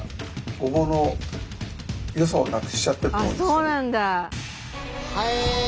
あっそうなんだ。